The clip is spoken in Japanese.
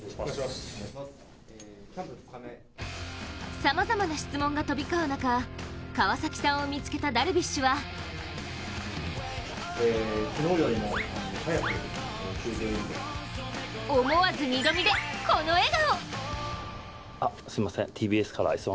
さまざまな質問が飛び交う中川崎さんを見つけたダルビッシュは思わず二度見でこの笑顔。